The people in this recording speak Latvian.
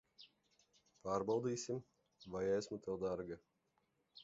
Pārbaudīsim, vai esmu tev dārga.